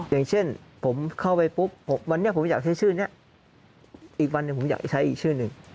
อย่างเช่นผมเข้าไปปุ๊บวันนี้ผมอยากใช้ชื่อนี้อีกวันหนึ่งผมอยากใช้อีกชื่อหนึ่ง